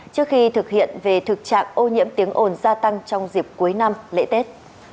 trước khi thực hiện về thực trạng ô nhiễm tiếng ồn gia tăng trong dịp cuối năm lễ tết